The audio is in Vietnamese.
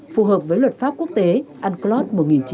phù hợp với luật pháp quốc tế unclos một nghìn chín trăm tám mươi hai